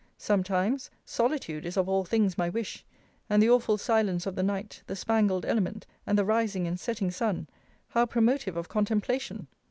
Sometimes, solitude is of all things my wish; and the awful silence of the night, the spangled element, and the rising and setting sun, how promotive of contemplation!